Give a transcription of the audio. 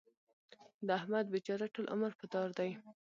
د احمد بېچاره ټول عمر په دار دی.